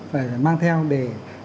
phải mang theo để